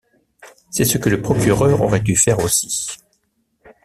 C'est ce que le procureur aurait dû faire aussi.